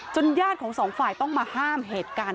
ญาติของสองฝ่ายต้องมาห้ามเหตุการณ์